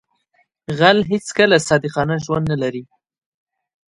غل هیڅکله صادقانه ژوند نه لري